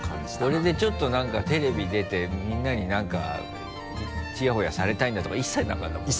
これでちょっと何かテレビ出てみんなに何かちやほやされたいんだとか一切なかったもんね。